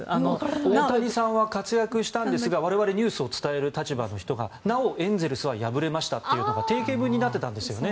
大谷さんは活躍したんですが我々ニュースを伝える立場の人がなおエンゼルスは敗れましたというのが定型文になってたんですよね。